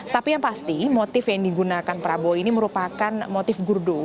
tapi yang pasti motif yang digunakan prabowo ini merupakan motif gurdo